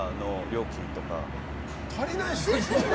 足りないでしょ。